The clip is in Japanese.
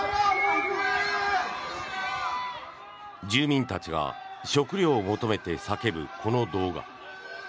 住民たちが食料を求めて叫ぶこの動画。